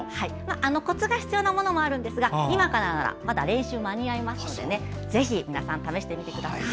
コツが必要なものもあるんですが今からならまだ練習、間に合いますのでぜひ、皆さん試してみてください。